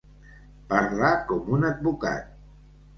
Parlar com un advocat.